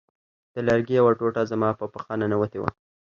د لرګي یوه ټوټه زما په پښه ننوتې وه